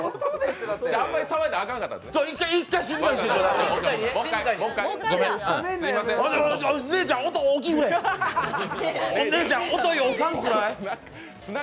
あんまり騒いだらあかんかったんやな。